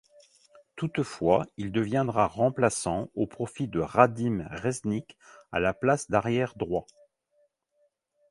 Toutefois, il deviendra remplacent au profit de Radim Řezník à la place d'arrière droit.